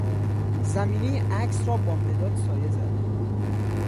زمینهی عکس را با مداد سایه زد.